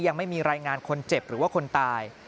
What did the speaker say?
ยังไม่มีรายงานคนเจ็บหรือว่าคนตาย